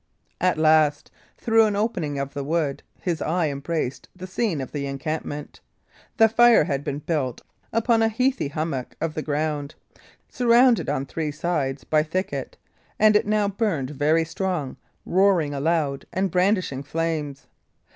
At last, through an opening of the wood, his eye embraced the scene of the encampment. The fire had been built upon a heathy hummock of the ground, surrounded on three sides by thicket, and it now burned very strong, roaring aloud and brandishing flames.